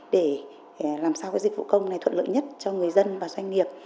để làm sao cái dịch vụ công này thuận lợi nhất cho người dân và doanh nghiệp